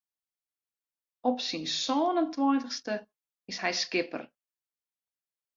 Op syn sân en tweintichste is hy skipper.